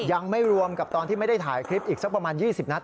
ยังไม่รวมกับตอนที่ไม่ได้ถ่ายคลิปอีกสักประมาณ๒๐นัด